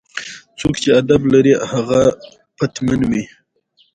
افغانستان د د افغانستان جلکو د پلوه ځانته ځانګړتیا لري.